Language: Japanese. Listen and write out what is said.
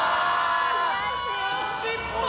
失敗！